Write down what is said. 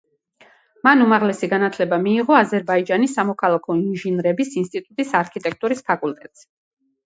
მან უმაღლესი განათლება მიიღო აზერბაიჯანის სამოქალაქო ინჟინრების ინსტიტუტის არქიტექტურის ფაკულტეტზე.